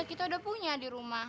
kita udah punya di rumah